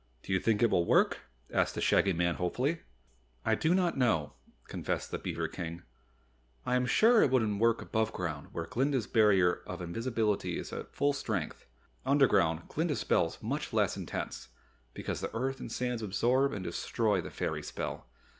"Do you think it will work?" asked the Shaggy Man hopefully. "I do not know," confessed the beaver King. "I am sure it wouldn't work above ground where Glinda's Barrier of Invisibility is full strength. Underground, Glinda's spell is much less intense, because the earth and sands absorb and destroy the fairy spell.